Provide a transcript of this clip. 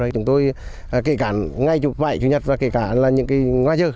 chúng tôi kể cả ngày bảy chủ nhật và kể cả những ngoài dơ